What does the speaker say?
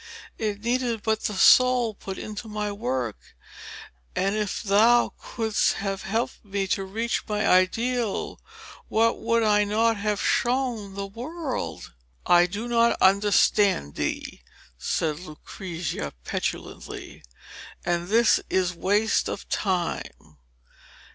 It needed but the soul put into my work, and if thou couldst have helped me to reach my ideal, what would I not have shown the world!' 'I do not understand thee,' said Lucrezia petulantly, 'and this is waste of time.